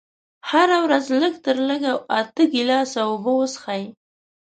هره ورځ لږ تر لږه اته ګيلاسه اوبه وڅښئ.